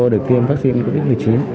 được tiêm vaccine covid một mươi chín